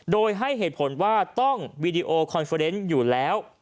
โดยให้เหตุผลว่าต้องวีดีโอคอนเฟอร์เนส์อยู่แล้ว